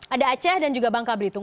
ada aceh dan juga bangka belitung